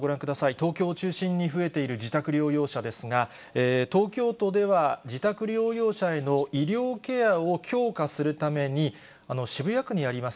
東京を中心に増えている自宅療養者ですが、東京都では自宅療養者への医療ケアを強化するために、渋谷区にあります